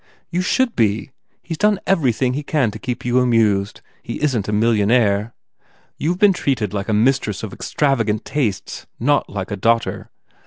"You should be !... He s done everything he can to keep you amused. He isn t a mil lionaire. You ve been treated like a mistress of extravagant tastes, not like a daughter!